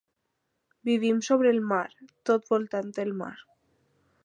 Vivim sobre el mar, tot voltant el mar.